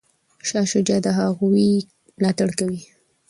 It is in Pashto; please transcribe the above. شاه شجاع د هغوی ملاتړ کوي.